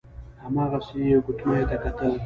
هماغسې يې ګوتميو ته کتل.